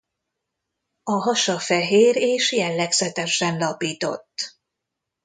A hasa fehér és jellegzetesen lapított.